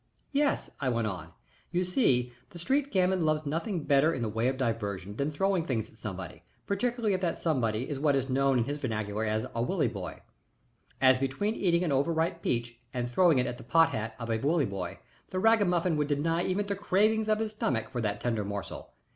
"Yes," I went on. "You see, the street gamin loves nothing better in the way of diversion than throwing things at somebody, particularly if that somebody is what is known to his vernacular as a Willie boy. As between eating an over ripe peach and throwing it at the pot hat of a Willie boy, the ragamuffin would deny even the cravings of his stomach for that tender morsel.